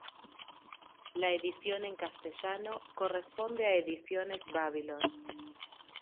La edición en castellano corresponde a Ediciones Babylon.